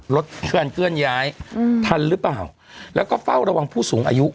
ลดการเคลื่อนย้ายอืมทันหรือเปล่าแล้วก็เฝ้าระวังผู้สูงอายุ